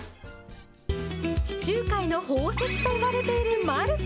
地中海の宝石と呼ばれているマルタ。